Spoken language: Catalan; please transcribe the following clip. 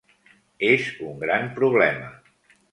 És un gran problema.